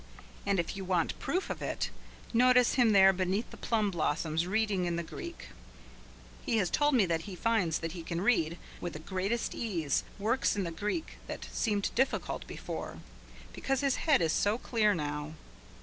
And if you want proof of it, notice him there beneath the plum blossoms reading in the Greek: he has told me that he finds that he can read, with the greatest ease, works in the Greek that seemed difficult before. Because his head is so clear now.